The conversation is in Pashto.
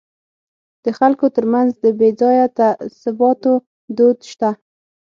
د خلکو ترمنځ د بې ځایه تعصباتو دود شته.